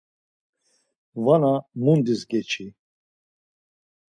Vana mundis geçi.